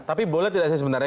tapi boleh tidak sih sebenarnya